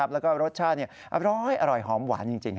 และรสชาติอร้อยอร่อยหอมหวานจริง